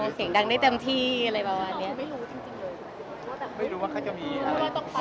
เสียงดังได้เต็มที่อะไรแบบว่านี้